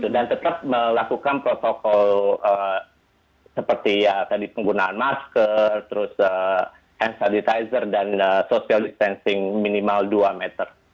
dan tetap melakukan protokol seperti penggunaan masker hand sanitizer dan social distancing minimal dua meter